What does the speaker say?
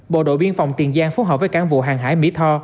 bộ đội biên phòng tiền giang phối hợp với cán vụ hàng hải mỹ tho